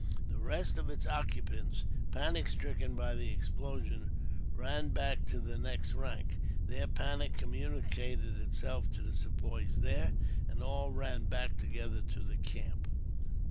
The rest of its occupants, panic stricken by the explosion, ran back to the next tank. Their panic communicated itself to the Sepoys there, and all ran back together to the camp.